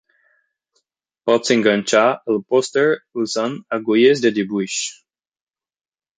Pots enganxar el pòster usant agulles de dibuix